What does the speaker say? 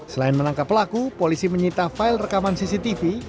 selain menangkap pelaku polisi menyita file rekaman cctv